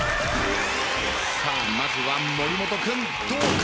まずは森本君どうか？